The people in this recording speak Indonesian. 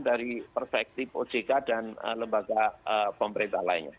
dari perspektif ojk dan lembaga pemerintah lainnya